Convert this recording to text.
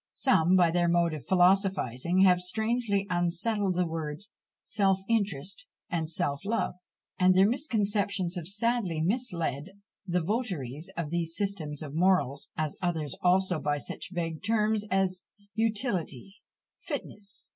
Some, by their mode of philosophising, have strangely unsettled the words self interest and self love; and their misconceptions have sadly misled the votaries of these systems of morals; as others also by such vague terms as "utility, fitness," &c.